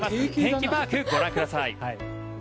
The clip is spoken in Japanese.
天気マークご覧ください。